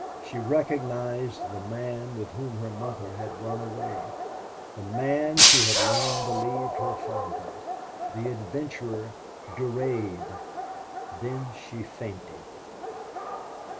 She recognized the man with whom her mother had run away the man she had long believed her father the adventurer Durade! Then she fainted.